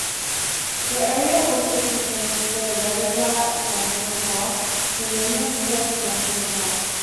The area also contains the Retezat National Park, Romania's first national park.